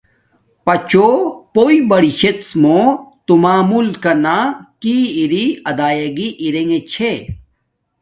پچوں پوݵ باری شڎ موں توں ملکانا کی اری ادا ایگی ارگے چھے